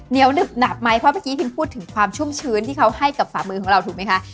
เหนียวหนึบหนับไหมเพราะเมื่อกี้พิมพูดถึงความชุ่มชื้นที่เขาให้กับฝ่ามือของเราถูกไหมคะ